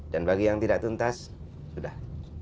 dan bagi yang tidak tuntas sudah